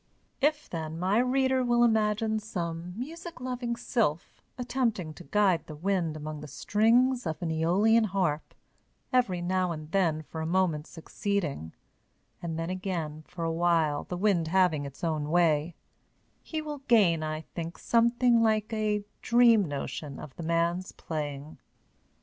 If, then, my reader will imagine some music loving sylph attempting to guide the wind among the strings of an Aeolian harp, every now and then for a moment succeeding, and then again for a while the wind having its own way, he will gain, I think, something like a dream notion of the man's playing.